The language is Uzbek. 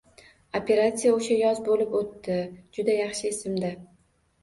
Operasiya o`sha yoz bo`lib o`tdi, juda yaxshi esimda